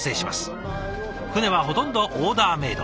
船はほとんどオーダーメード。